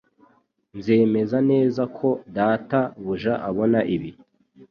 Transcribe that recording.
Nzemeza neza ko data buja abona ibi